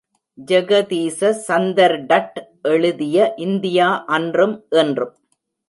ஜெகதீச சந்தர்டட் எழுதிய இந்தியா அன்றும் இன்றும்.